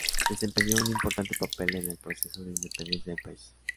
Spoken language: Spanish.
Desempeñó un importante papel en el proceso de independencia del país.